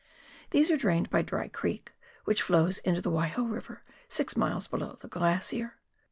These are drained by " Dry " Creek, which flows into the "Waiho River, six miles below the glacier.